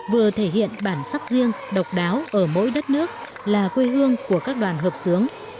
vừa thể hiện bản sắc riêng độc đáo ở mỗi đất nước là quê hương của các đoàn hợp sướng